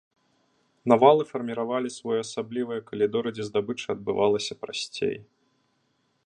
Навалы фарміравалі своеасаблівыя калідоры, дзе здабыча адбывалася прасцей.